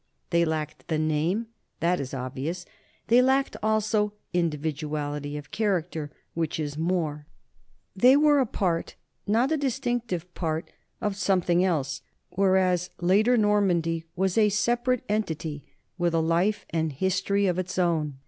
They lacked the name that is obvious; they lacked also individuality of character, which is more. They were a part, and not a distinctive part, of something else, whereas later Normandy was a separate entity with a life and a history of its own.